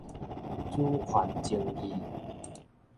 主權爭議